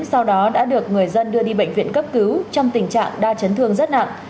sau đó đã được người dân đưa đi bệnh viện cấp cứu trong tình trạng đa chấn thương rất nặng